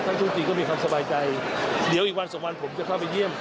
ช่วงจริงก็มีความสบายใจเดี๋ยวอีกวันสองวันผมจะเข้าไปเยี่ยม